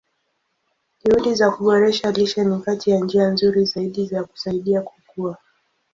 Juhudi za kuboresha lishe ni kati ya njia nzuri zaidi za kusaidia kukua.